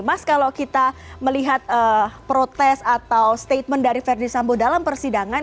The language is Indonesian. mas kalau kita melihat protes atau statement dari verdi sambo dalam persidangan